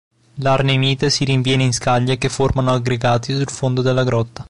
L'arnhemite si rinviene in scaglie che formano aggregati sul fondo della grotta.